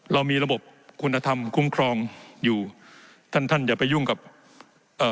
เรามีระบบคุณธรรมคุ้มครองอยู่ท่านท่านอย่าไปยุ่งกับเอ่อ